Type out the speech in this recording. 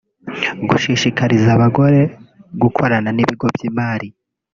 gushishikariza abagore gukorana n’ibigo by’imari